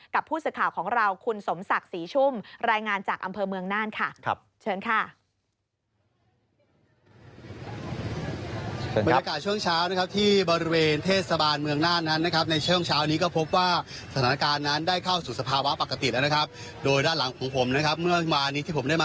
กับผู้สื่อข่าวของเราคุณสมศักดิ์ศรีชุ่ม